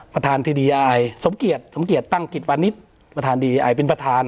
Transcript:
ประธานธิดีอายสมเกียจสมเกียจตั้งกิจวานิสประธานดีอายเป็นประธาน